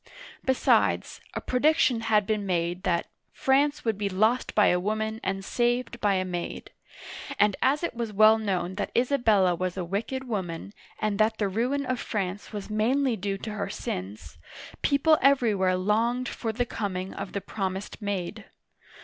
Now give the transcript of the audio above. Be sides, a prediction had been made that " France would be lost by a Woman and saved by a Maid," and as it was well known that Isabella was a wicked woman, and that the ruin of France was mainly due to her sins, people everywhere longed for the coming of the promised Maid.